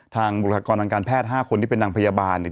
บุคลากรทางการแพทย์๕คนที่เป็นนางพยาบาลเนี่ย